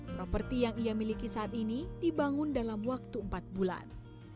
properti yang ia miliki saat ini dibangun dalam waktu empat bulan